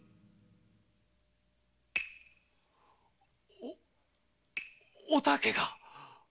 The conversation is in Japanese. おお竹が！